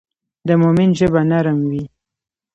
د مؤمن ژبه نرم وي.